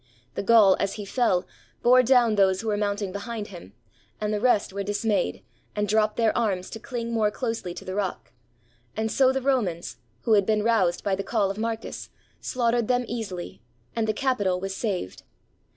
The Gaul, as he fell, bore down those who were mounting behind him; and the rest were dismayed, and dropped their arms to cUng more closely to the rock, and so the Romans, who had been roused by the call of Marcus, slaughtered them easily, and the Capitol was saved.